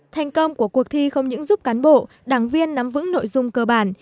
thành công của cuộc thi không những giúp cán bộ đảng viên nắm vững nội dung cơ bản